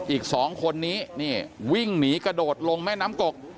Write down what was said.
อีก๒คนนี้นี่วิ่งหนีกระโดดลงแม่น้ำกก